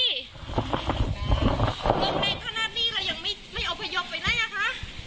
ลมมันแรงขนาดนี้แล้วอย่างไม่ไม่ออกไปยกไว้ได้นะคะ